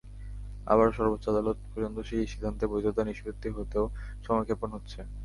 আবার সর্বোচ্চ আদালত পর্যন্ত সেই সিদ্ধান্তের বৈধতা নিষ্পত্তি হতেও সময়ক্ষেপণ হচ্ছে।